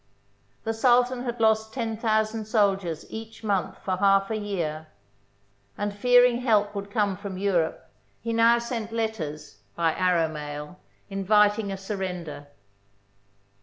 The Sultan had lost ten thousand soldiers each month for half a year, and fearing help would come from Europe, he now sent letters, by arrow mail, inviting a surrender.